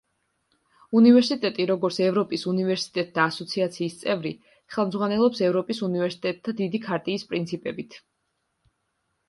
უნივერსიტეტი, როგორც ევროპის უნივერსიტეტთა ასოციაციის წევრი, ხელმძღვანელობს ევროპის უნივერსიტეტთა დიდი ქარტიის პრინციპებით.